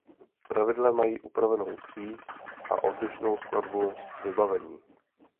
Plavidla mají upravenou příď a odlišnou skladbu vybavení.